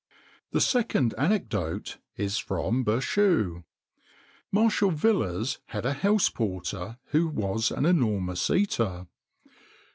The second anecdote is from Berchoux: Marshal Villars had a house porter who was an enormous eater.